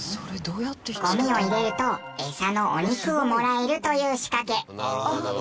ゴミを入れるとエサのお肉をもらえるという仕掛け。